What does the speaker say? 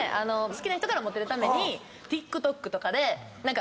好きな人からモテるためにＴｉｋＴｏｋとかで。